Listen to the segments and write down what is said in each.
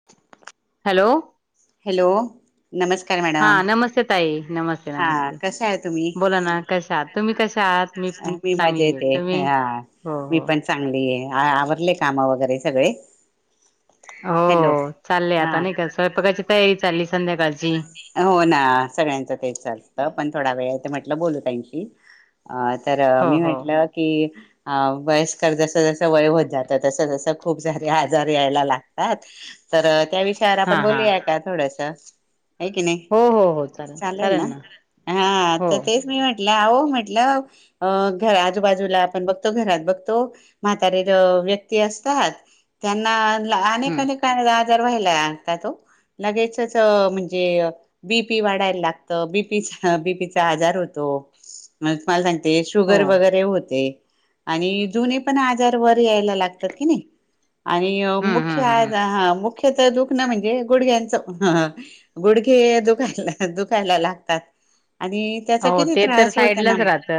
[inaudible] Hello hello नमस्कार हा madam नमस्ते ताई नमस्ते हा नमस्ते कशा आहे तुम्ही बोला ना कश आहात तुम्ही कश आहात मी पण मजा चांगली आहे येते तुम्ही हा हो मी हो पण चांगली आहे आवरले काम वगैरे सगळे हॅलो हो चाललेय हा आता नाही का स्वयंपाकाची तयारी चालली संध्याकाळची हो ना सगळ्यांचं तेच चालतं पण थोडा वेळ य तर म्हटलं बोलू ताईशी अ तर हो मी हो म्हटलं की अ वयस्कर जस जस स वय होत जात तस तसं खूप सारे आजार यायला लागतात तर त्या विषयावर हा आपण हा बोलूया का थोडसं आहे की नाही चालेल ना हा हो तर तेच मी म्हट आव म्हटल अ घ आजूबाजूला आपण बघतो घरात बघतो म्हातारी व्यक्ती असतात त्यांना अनेक हम्म अनेक आजार व्हायला लागत तो लगेचच म्हणज म्हणजे बीपी वाढायला लागत बीपी हा बीपीचा आजार होतो म्हज तुम्हाला सांगते हो शुगर वगैरे होते आणि जुने पण आजार वर यायला लागतात कणी आणि हम्म मुख्य हम्म हम्म मुख्यत दुख ना म्हणजे गुडघ्यांचं गुडघे दुखायला दुखायला लागतात आणि त्याचा हो किती ते तर त्रास होता ना साईडलाच राहत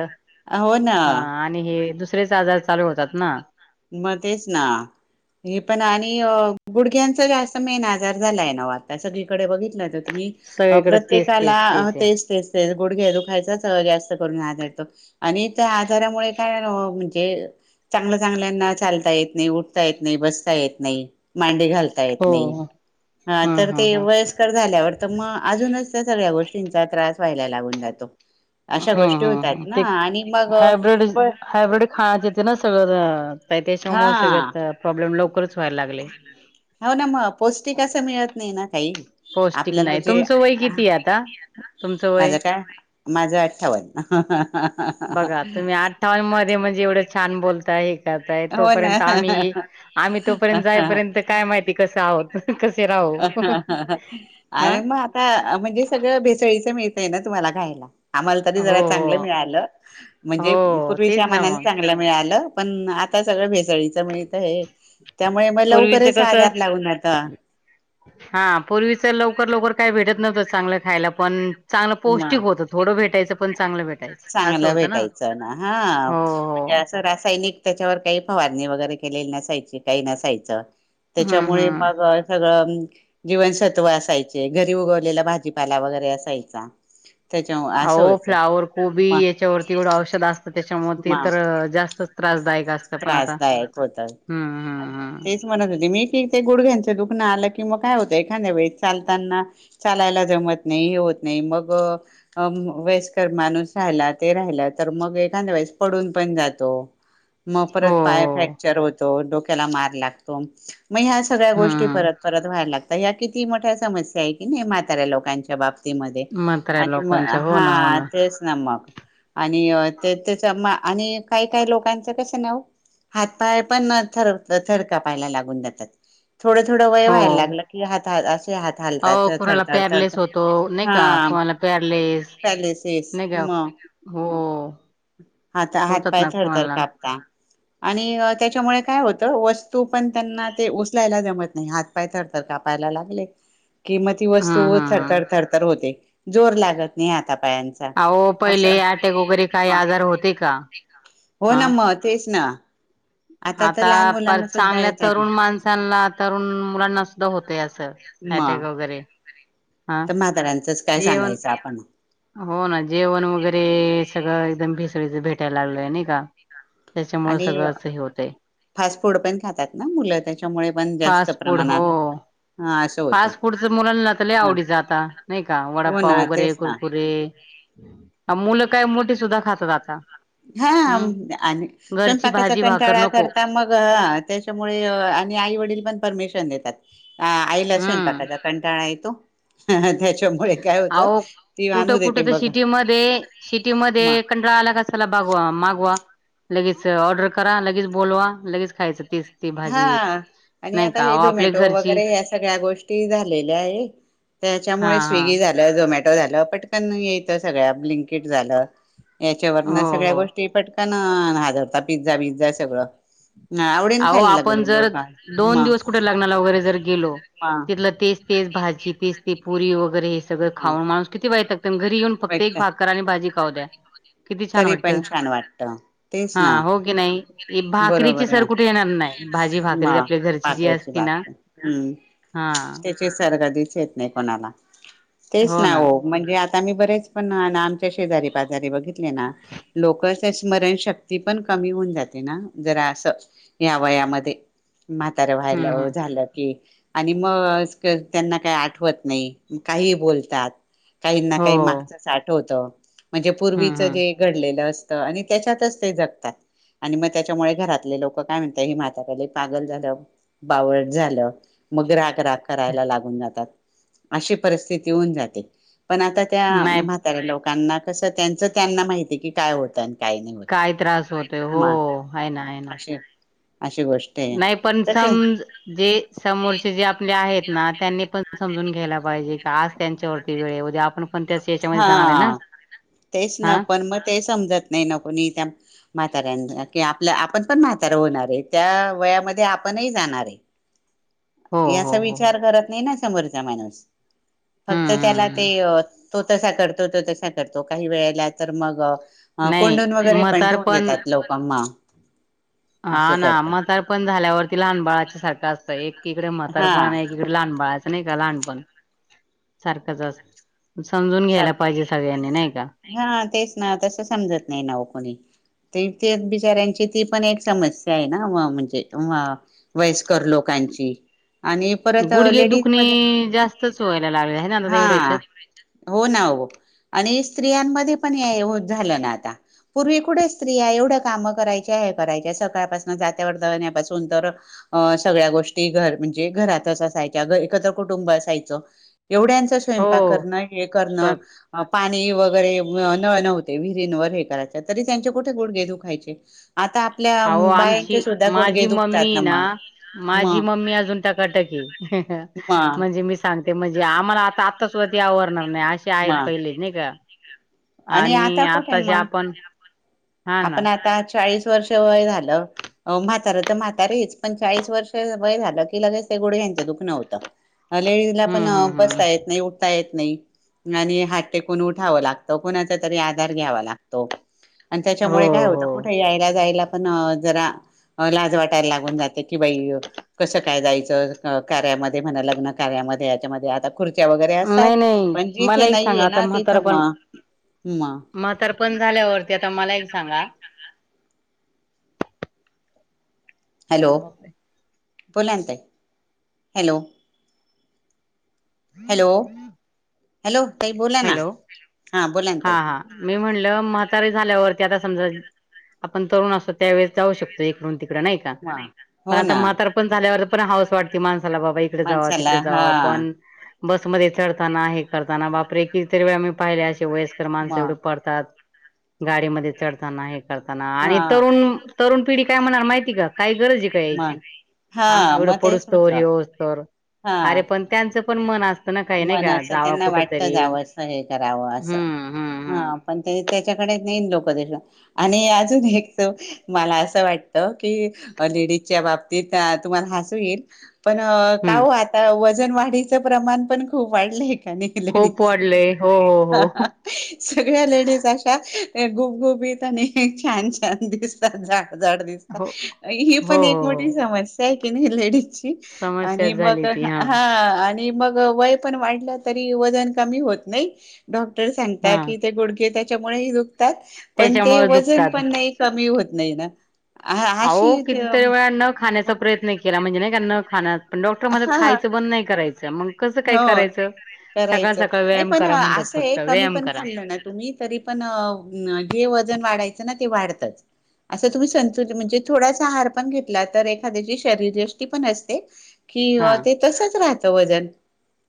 हो ना हा आणि हे दुसरेच आजार चालू होतात ना म तेच ना हे पण आणि गुडघ्यांच जास्त मेन आजार झालाय ना आता सगळीकडे बघितलं तुम्ही सगळीकडे तेच तेच प्रत्येकाला आहे तेच तेच ते गुडघे दु खायचाच गॅस्त करून हाताडतो आणि त्या आजारामुळे काय म्हणजे चांगल्या चांगल्याना चालता येत नाही उठता येत नाही बसता येत नाही मांडी घालता येत हो नाही येता येत ह नाही तर ह ते ह वयस्कर झाल्यावर तर मग अजूनच त्या सगळ्या गोष्टींचा त्रास व्हायला लागून जातो अशा ह गोष्टी ह होतात ह ना ते आणि मग खायचे ते ना सगळं हा त्याच्यामुळे सगळ प्रॉब्लेम लवकरच व्हायला लागले हो ना मग पौष्टिक असं मिळत नाही ना काही पौष्टिक आपल्याला नाही जे तुमचं वय किती आहे आता? तुमचं वय माझं काय माझं आठठावन हा हा बघा तुम्ही आठावांमध्ये म्हणजे एवढं छान बोलता आहे का हो ना तोपर्यंत आम्ही आम्ही तोपर्यंत जायपर्यंत काय माहिती कसं आहोत कसे राहू हा आणि मग आता म्हणजे सगळं भेसळीचं मिळतय ना तुम्हाला खायला आम्हाला तरी हो जरा चांगलं मिळालं हो म्हणजे हो तेच ना पूर्वीच्यामानाने मग चांगल ला मिळालं पण आता सगळं भेसळीच मिळत हे त्यामुळे मग पूर्वीच लवकरच कसं आधार लावून आता हा पूर्वीच लवकर लवकर काय भेटत नव्हतं चांगलं खायला पण चांगलं म पौष्टिक होतं थोडं भेटायचं पण चांगलं भेटायचं असं चांगलं होतं ना भेटायचं हा हो म्हणजे असं रासायनिक त्याच्यावर काही फवारणी वगैरे केलेली नसायची काही नसायचं हम्म त्याच्यामुळे हम्म मग सगळं जीवनसत्व असायचे घरी उगवलेला भाजीपाला वगैरे असायचा त्याच्या अ असं व्हायचं फ्लावर कोबी मग याच्यावरती एवढं औषध असतं त्याच्यामुळे ते मग तर जास्तच त्रासदायक स्त पण आता त्रासदायक होत हम्मम्म तेच म्हणत होते मी की ते गुडघ्यांचं दुखन आलं की मग काय होतं एखाद्या वई चालताना चालायला जमत नाही हे होत नाही मग अ वेस्कर माणूस राहिला ते राहिला तर मग एखाद्या वेस पडून पण जातो मग हो परत पाय हो फ्रॅक्चर होतो डोक्याला मार लागतो मग ह्या सगळ्या गोष्टी हम्म परत परत व्हायला लागतात या्या किती मोठ्या समस्या आहे की नाही म्हाताऱ्या लोकांच्या बाबत म्हाताऱ्या आणि म लोकांच्या हो ना हो हा तेच ना मग आणि ते त्याच आणि काही काही लोकांच कस नाव हात पाय पण थर थरका पाहायला लागून जातात थोडं थोडं वय हो व्हायला लाग की हात असे हात ालतात अहो कुणाला थरथरतरत पॅरलेस होतो नाही हा का कुणाला पॅरलेस चाले शेष नाही का म हो हात हात होतात पाय ना थरथर कुणाला कापता आणि त्याच्यामुळे काय होतं वस्तू पण त्यांना ते उचलायला जमत नाही हात पाय थरथर कापायला लागले किंमती ह हम्म वस्तू हम्म हम्म थरथरथरथर होते जोर लागत नाही आता पायांच अहो अस पहिले अटॅक वगैरे काही आजार होते का हो हा ना मग तेच ना तर आता लहान प मुलांना सुद्धा चांगल्या येतात तरुण माणस तरुण मुलांना सुद्धा होतय असं अटॅक मग वगैरे हा तर म्हाताारांचंच काय जेवण सांगायचं आपण हो ना जेवण वगैरे सगळं एकदम भिसळीच भेटायला लागलंय नाही का त्याच्यामुळे आणि सगळं असं हे होतय फास्ट फूड पण खातात ना मुलं त्याच्यामुळे पण जास्त फास्ट फूड हो. प्रमाणात हा असं होतं फास्ट फूडच मुलांनात मग आवडी जात नाही का हो वडप्पा ना वगैरे तेच ना कुरकुरे मुलं काय मोठी सुद्धा खात आता हा हम्म आणि घरची स्वयंपाकाचा भाजी भाकर कंटाळा नको करता मग त्या त्याच्यामुळे आणि आई वडील पण परमिशन देतात आईला हम्म. स्यपाकाात कंटाळा येतो त्याच्यामुळे काय होतं अह ती आणू कुठं देते कुठं तर बघा सिटी मध्ये सिटी म मध्ये कंटाळा आला कस त्याला बगवा मागवा लगेच ऑर्डर करा लगेच बोलवा लगेच खायचं तेीस हा आणि आता हे झोमॅटो घरची वगैरे या सगळ्या गोष्टी झालेल्या आहे हा त्याच्यामुळे हा स्विगी झालं झोमॅटो झालं पटकन येत सगळ्या ब्लिंकेट झालं याच्यावरन हो सगळ्या हो गोष्टी पटकन हाजरता पिझ्झा बिझ्झा सगळं आव अहो आपण जर दोन दिवस कुठे लग्नाला वगैरे जर गेलो हा तिथलं ते तेज भाजी पीस् पुरी वगैरे हे सगळं मग खाऊन माणूस किती वयत लागत घरी येऊन फक्त वाईट एक काय भाकर आणि भाजी खाऊ द्या किती छान तरी पण वाटत छान वाटत तेच हा ना हो की नाही भाकरीची बरोबर सर आहे कुठे णार नाही भाजी म भाकरी आपल्या घरची जी भाकऱ्याची असती ना हा ग दिस येत नाही कोणाला तेच ना हो म्हणजे आता म्ही बरेच पण ना आमच्या शेजारी पाजारी बघितले ना लोक त्या स्मरणशक्ती पण कमी होऊन जाते ना जरा असं या वयामध्ये म्हाताऱ्या व्हायला हं, हं. झालं कि आणि मग त्यांना काही आठवत नाही काही बोलतात काही ना हो. काही मागतात साठ होत म्हणजे हं, पूर्वीच हं. जे घडलेलं असतं आणि त्याच्यातच ते जगतात आणि मग त्याच्यामुळे घरातले लोक काय म्हणतात हे म्हाताकडे पागल झालं बावट झालं मग राग राग करायला लागून जातात अशी परिस्थिती होऊन जाते पण आता त्या नाही म्हाताऱ्या लोकांना कसं त्यांचं त्यांना माहिती आहे की काय होतं आणि काही नाही काय त्रास होतोय. हो, होत आहे ना, आहे ना. अशी गोष्ट आहे नाही पण तसे समज जे समोरचे जे आपले आहेत ना त्यांनी पण समजून घ्यायला पाहिजे का आज त्यांच्यावरती वेळद्या आपण पण त्याच याच्यामध्ये हा जाणार आहे ना. तेच न हां. पण मग ते समजत नाही न कोणी त्या म्हाताऱ्यां कि आपल्या आपण पण म्हातारा होणार आहे त्या वयामध्ये आपणही जाणार आहे. हो, याचा हो, हो. विचार करत नाही ना समोरचा माणूस हं, फक्त त्याला हं, ते हं. त तसा करतो तो तसा करतो काही वेळेला तर मग नाही कोंडून वगैरे पण ठेवून म्हातारपण देतात लोक म हा ना मतारपण झाल्यावरती लहान बाळाच्या सारखं असतं एकीकडे मतार्पण हा आणि एक लहान बाळाचं नाही का लहानपण सारखं जात समजून घ्यायला सारखं पाहिजे सगळ्यांनी नाही का हा तेच ना तसं समजत नाही नाव कोणी ते ते बिचाऱ्यांची ती पण एक समस्या आहे ना म्हणजे वयस्कर लोक कां आणि परत गुडघे लेडीज दुखणे म जास्तच व्हायला लागले आहे ना आता हा एवढ्या ह्याच्यात. हो ना हो आणि स्त्रियांमध्ये पण झालं ना आता पूर्वी कुठे स्त्री आहे एवढं कामं करायचे आहे करायच्या सकाळपासून जात्यावर दण्यापासून तर अ सगळ्या गोष्टी घर म्हणजे घरातच असायच्या एकत्र कुटुंब असायचं एवढ्यांचा स्वयंपाक हो. करणं हे करणं स्वयं पाणी वगैरे न नव्हते विहिरींवर हे करायच तरी त्यांचे कुठे गुडघे दुखायचे आता आपल्या अ अम, आमची बायांचे सुद्धा गुडघे माझी मम्मी दुखतात ना मग म माझी मम्मी अजून ट म ण [inaudible] सांगते म्हणजे आम्हाला आता आत्स्वदी आवरणार नाही असे म आहेत पहिले नाही का, आणि आता कुठे आताचे म, आपण हा ना आपण आता चाळीस वर्ष वय झालं. अ म्हातारं तर म्हातारेच, पण चाळीस वर्ष वय झालं की लगेच ते गोड ह्यांचं दुख नव होतं. लेडीजला हम्म पण हम्म हम्म बसता येत नाही उठता येत नाही आणि हात टेकून उठावं लागत. कुणाचा तरी आधार घ्यावा लागतो, आणि हो त्याच्यामुळे काय होत हो. कुठे यायला जायला पण जरा लाज वाटायला लागून जाते की बाई कसं काय जायचं कार्यामध्ये म्हणा लग्न कार्यामध्ये याच्यामध्ये आता खुर्च्या वगैरे असतात, नाही नाही पण जिथे मला एक सांगा नाहीये आता ना म्हातार तिथं पण म म म्हातार पण झाल्यावरती आता मला एक सांगा हॅलो अरे बापरे बोला ना ताई हॅलो! Hello hello! ताई बोला ना हॅलो! बोला ना हा ताई हा. मी म्हणलं म्हातारी झाल्यावरती आता समजा आपण तरुण असतो त्यावेेळेस जाऊ शकतो. इडून तिकड नाही का हा पण हो आता ना म्हातार पण झाल्यावर पण हाऊस वाटत माणसाला बाबा इकडे जावं माणसाला तिकड हा जावं पण बसमध्ये चढताना हे करताना बापरे कितरी वेळा मी पाहिले अशी वयस्कर माणसं एवढी मग पडतात गाडीमध्ये चढताना हे चडताना हा आणि तरुण तरुण पिढी काय म्हणार माहिती का? काही गरज आहे का यायची, मग हा एवढं मग तेच पडूसतो होत हि असतो हा अरे पण त्यांचं पण मन असतं ना काही नाही मन का असं जावा त्यांना कुठ वाटत तरी. जावं असं हे करावं असं हम्म हम्म हा हम्म पण ते त्याच्याकडेच नाही लोक आणि अजून एक मला असं वाटत की लेडीजच्या बाबतीत तुम्हाला हसू येईल पण का हम्म हो आता वजन वाढीचं प्रमाण पण खूप वाढलं आहे कनई? खूप लेडीच! वाढलंय हो हो हो सगळ्या लेडीज अशा गुबगुबीत आणि छान छान दिसतात जाड जाड दिसतात. हो ही हो पण एक हो हो मोठी समस्या आहे की नाही लेडीज? आणि समस्याच मग झाली ती हा आणि मग वय पण वाढलं तरी वजन कमी होत नाय डॉक्टर हा सांगता की ते गूड घे, त्याच्यामुळे दुतात पण ते त्याच्यामुळे वजन दुखतात पण नाही कमी होत नाही ना. अहो अशी कितीतरी वेळा न खाण्याचा प्रयत्न केला म्हणजे नाही का न खाना पण डॉक्टर मध्ये हा खायचं बंद नाही करायचं. मग कसं काही हो करायचं सकाळ करायचं सकाळ नाही व्यायाम पण करा म्हणतात असं आहे फक्त कमी व्यायाम पण करा. खाल्लं ना तुम्ही तरी पण जे वजन वाढायचं ना ते वाढतच. असं तुम्ही संतुल म्हणजे थोडासा आहार पण घेतला तर एखाद्याची शरीरष्टी पण असते. हा किंवा ते तसंच राहतं वजन.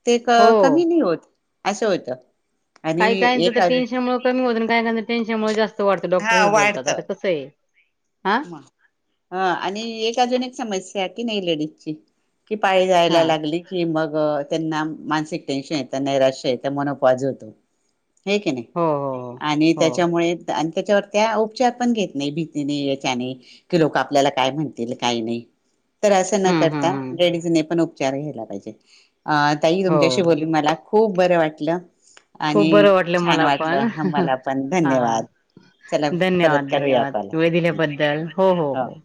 ते हो कमी नाही होत असं होत. काही कायचं तर टेन्शनमुळे कमी होत काय टेनशनमुळे जास्त वाढतं डॉक्टर हा हे बोलतात आता कसं आहे. हा हा आणि एक अजून एक समस्या आहे की नाही लेडीजची कि पाय जायला हा लागली की मग त्यांना मानसिक टेन्शन येत त्यांना मानसिक टेन्शन येतं नैराश्य येत. हे की नाही हो हो हो आणि हो त्याच्यामुळे आणि त्याच्यावर त्या उपचार पण घेत नाही भीतीने लोक आपल्या काय म्हण का नाही अस न हम्म करता हम्म हम्म लेडीज ने पण ऊप चार घ्यायला पाहिजे, अ ताई हो तुमच्याशी हो बोल मला खूप बरं वाटलं. आणि बरं खूप वाटलं छान मला पण वाटलं आम्हाला पण हा धन्यवाद! चला परत करूया कॉल. बद्दल हो हो हो.